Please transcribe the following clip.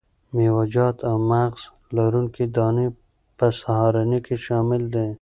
میوه جات او مغذ لرونکي دانې په سهارنۍ کې شامل دي.